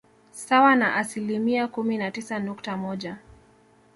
sawa na asilimia kumi na tisa nukta moja